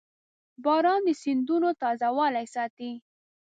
• باران د سیندونو تازهوالی ساتي.